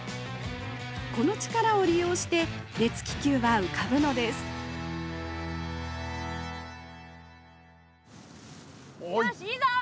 この力を利用して熱気球は浮かぶのですよしいいぞ！